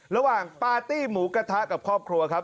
ระหว่างปาร์ตี้หมูกระทะกับครอบครัวครับ